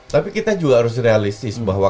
tapi kita juga harus realistis bahwa